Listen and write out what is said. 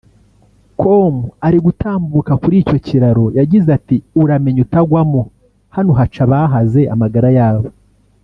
com ari gutambuka kuri icyo kiraro yagize ati “uramenye utagwamo hano haca abahaze amagara yabo